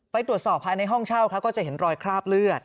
ตรวจสอบภายในห้องเช่าครับก็จะเห็นรอยคราบเลือด